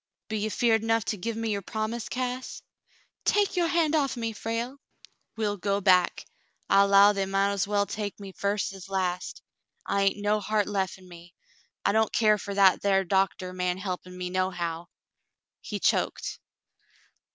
"Be ye 'feared 'nough to give me your promise, Cass ?*' "Take your hand off me, Frale." "We'll go back. I 'low they mount es well take me first as last. I hain't no heart lef in me. I don't care fer that thar doctah man he'pin' me, nohow," he choked.